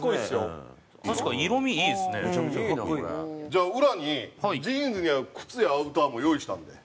じゃあ裏にジーンズに合う靴やアウターも用意したんで。